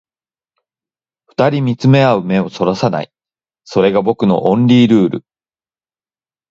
二人見つめ合う目を逸らさない、それが僕のオンリールール